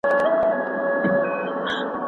پخواني قاضیان په اوسني حکومت کي بشپړ استازي نه لري.